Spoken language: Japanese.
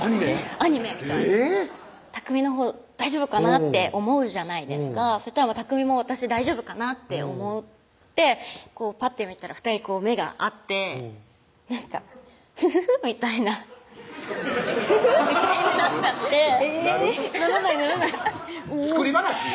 アニメみたいに巧のほう大丈夫かなって思うじゃないですかそしたら巧も私大丈夫かなって思ってぱって見たら２人こう目が合ってなんか「フフフッ」みたいな「フフフッ」みたいになっちゃってなる？ならないならない作り話？